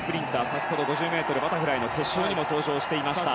先ほど、５０ｍバタフライの決勝にも登場していました。